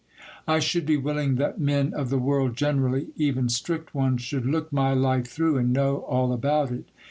I should be willing that men of the world generally, even strict ones, should look my life through and know all about it.